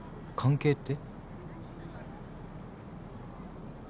関係って？